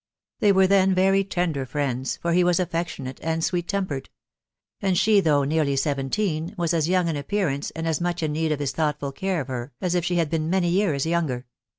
They were then very tender friends, for he was affectionate and sweet tempered; and she, though nearly seventeen, was as young in appear ance, and as much in need of his thoughtful care of her, as if she had been many years younger.